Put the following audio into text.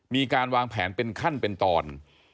มีการวางแผนเป็นขั้นเป็นตอน